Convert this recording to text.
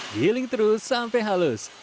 giling terus sampai halus